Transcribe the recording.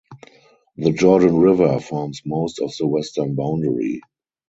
The Jordan River forms most of the western boundary.